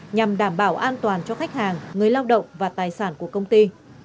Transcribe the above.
nhằm đảm bảo an toàn cho khách hàng người lao động và tài sản của công ty